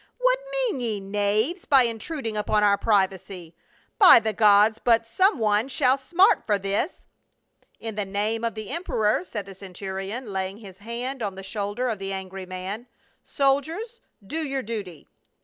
" What mean ye, knaves, by intruding upon our privacy ? By the gods, but some one shall smart for this !"" In the name of the emperor," said the centurion, laying his hand on the shoulder of the angry man. "Soldiers, do your duty."